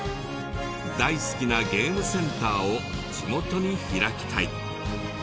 大好きなゲームセンターを地元に開きたい。